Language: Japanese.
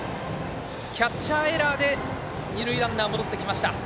キャッチャーエラーで二塁ランナー、戻ってきました。